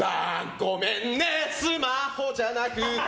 ごめんねスマホじゃなくて。